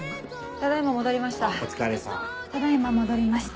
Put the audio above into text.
ただ今戻りました。